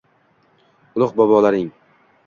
Ulug’ bobolarning